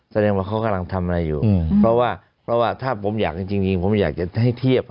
สัญญาณว่าเขากำลังทำอะไรอยู่เพราะว่าถ้าผมอยากจริงผมอยากจะให้เทียบ